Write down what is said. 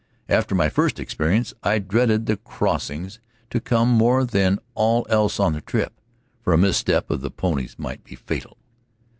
After my first experience, I dreaded the crossings to come more than all else on the trip, for a misstep of the pony's might be fatal.